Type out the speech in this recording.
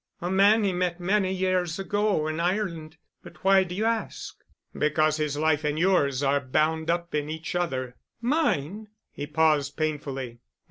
A man he met many years ago in Ireland. But why do you ask?" "Because his life and yours are bound up in each other——" "Mine?" He paused painfully.